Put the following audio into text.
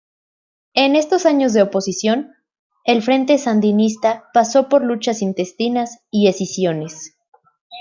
En estos años de oposición, el Frente Sandinista pasó por luchas intestinas y escisiones.